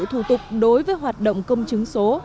thủ tục đối với hoạt động công chứng số